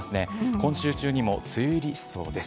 今週中にも梅雨入りしそうです。